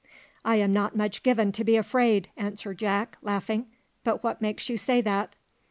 "I am not much given to be afraid," answered Jack, laughing; "but what makes you say that?"